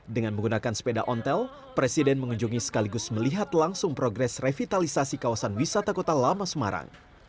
dengan menggunakan sepeda ontel presiden mengunjungi sekaligus melihat langsung progres revitalisasi kawasan wisata kota lama semarang